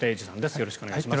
よろしくお願いします。